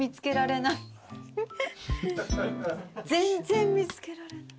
全然見つけられない。